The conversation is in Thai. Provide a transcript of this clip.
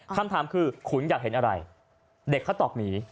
คำถามคือขุนอยากเห็นอะไรเด็กเขาตอบหมี